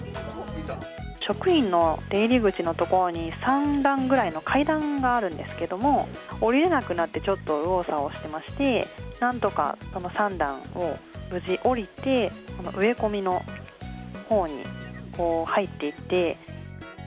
職員の出入り口の所に、３段ぐらいの階段があるんですけども、下りれなくなって、ちょっと右往左往してまして、なんとかその３段を無事下りて、植え込みのほうに入っていって。